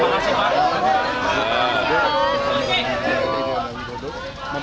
terima kasih pak